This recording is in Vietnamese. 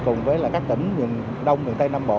cùng với các tỉnh miền đông miền tây nam bộ